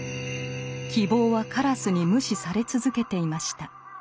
「希望」は鴉に無視され続けていました。